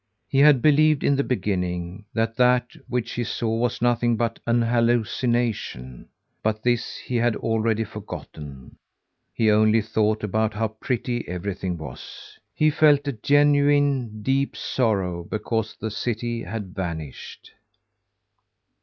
He had believed in the beginning, that that which he saw was nothing but an hallucination, but this he had already forgotten. He only thought about how pretty everything was. He felt a genuine, deep sorrow because the city had vanished.